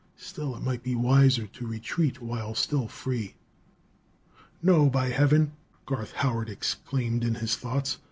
Still it might be wiser to retreat while still free.... "No, by heaven!" Garth Howard exclaimed in his thoughts.